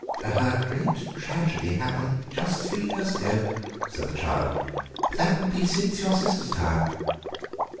"Her great tragedy happened just three years ago," said the child; "that would be since your sister's time."